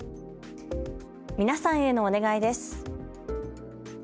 皆さんへのお願いです。